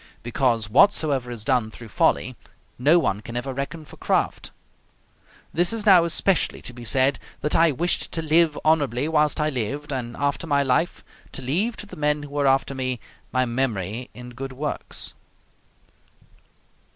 Because whatsoever is done through folly, no one can ever reckon for craft. This is now especially to be said: that I wished to live honorably whilst I lived, and after my life, to leave to the men who were after me, my memory in good works.